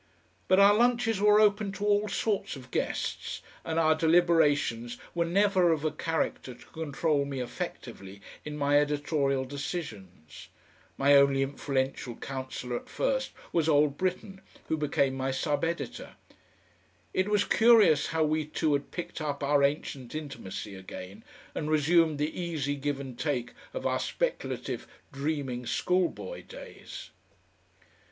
But our lunches were open to all sorts of guests, and our deliberations were never of a character to control me effectively in my editorial decisions. My only influential councillor at first was old Britten, who became my sub editor. It was curious how we two had picked up our ancient intimacy again and resumed the easy give and take of our speculative dreaming schoolboy days.